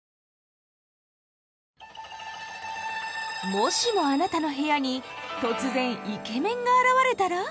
もしもあなたの部屋に突然イケメンが現れたら？